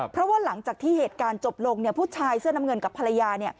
เพราะว่าหลังจากที่เหตุการณ์จบลงผู้ชายเสื้อน้ำเงินกับภรรยา